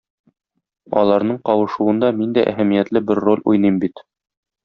Аларның кавышуында мин дә әһәмиятле бер роль уйныйм бит.